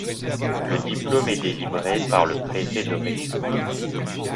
Le diplôme est délivré par le préfet de région.